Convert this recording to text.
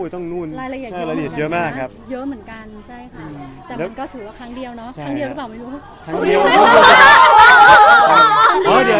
แต่มันก็ถือว่าครั้งเดียวเนอะ